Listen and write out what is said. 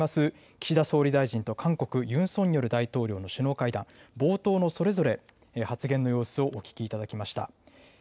岸田総理大臣と韓国、ユン・ソンニョル大統領の首脳会談、冒頭のそれぞれ発言の様子をお聞きいただきました。